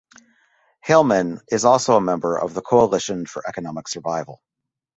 Heilman is also a member of the Coalition for Economic Survival.